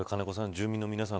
住民の皆さん